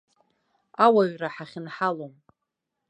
Ауаҩра ҳахьынҳалом!